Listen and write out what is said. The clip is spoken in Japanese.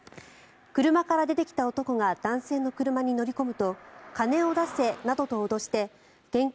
車から出てきた男が男性の車に乗り込むと金を出せなどと脅して現金